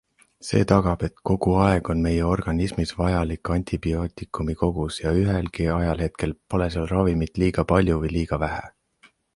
See tagab, et kogu aeg on meie organismis vajalik antibiootikumikogus ja ühelgi ajahetkel pole seal ravimit liiga palju või liiga vähe.